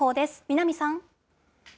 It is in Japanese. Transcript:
南さん。